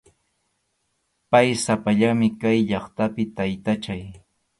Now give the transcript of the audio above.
Pay sapallanmi kay llaqtapi, taytachay.